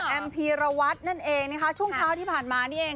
แอมพีรวัตนั่นเองช่วงเก้าที่ผ่านมาเนี่ยเอง